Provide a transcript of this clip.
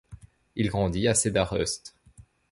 Il grandit à Cedarhurst.